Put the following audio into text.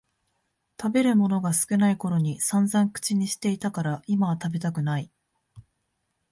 食べるものが少ないころにさんざん口にしてたから今は食べたくない